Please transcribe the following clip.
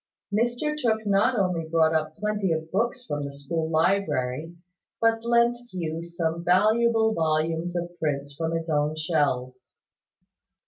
Mr Tooke not only brought up plenty of books from the school library, but lent Hugh some valuable volumes of prints from his own shelves.